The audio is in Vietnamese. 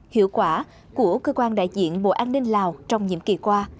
hiệu quả của cơ quan đại diện bộ an ninh lào trong nhiệm kỳ qua